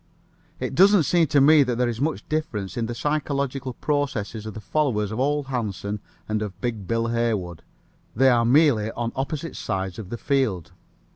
It doesn't seem to me that there is much difference in the psychological processes of the followers of Ole Hansen and of Big Bill Haywood. They are merely on opposite sides of the field.